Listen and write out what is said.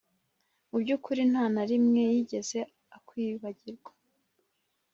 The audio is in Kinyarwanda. Mu by ukuri nta na rimwe yigeze akwibagirwa